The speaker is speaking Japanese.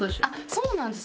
そうなんです。